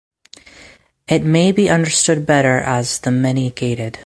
It may be understood better as the "Many Gated".